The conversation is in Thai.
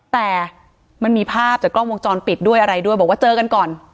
แต่มันมีภาพจากกล้องวงจรปิดด้วยอะไรด้วยบอกว่าเจอกันก่อน